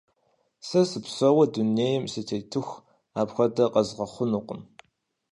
Сэ сыпсэууэ дунейм сытетыху, апхуэдэ къэзгъэхъунукъым.